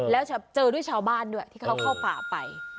แล้วเจอด้วยชาวบ้านด้วยที่เขาเข้าป่าไป